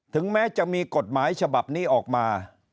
ถึงแม้จะมีกฎหมายฉบับนี้ออกมา